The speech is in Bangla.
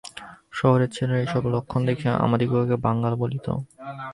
শহরের ছেলেরা এইসব লক্ষণ দেখিয়া আমাদিগকে বাঙাল বলিত।